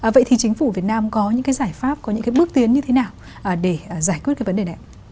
vậy thì chính phủ việt nam có những giải pháp có những bước tiến như thế nào để giải quyết vấn đề này